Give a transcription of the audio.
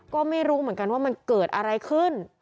ก็ไม่รู้เหมือนกันว่ามันเกิดอะไรขึ้น